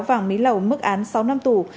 vàng mỹ lầu mức án sáu năm tù